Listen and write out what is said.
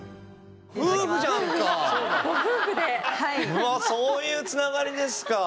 うわっそういう繋がりですか。